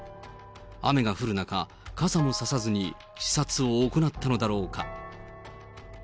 雨が降る中、傘も差さずに視察を行ったのだろうか。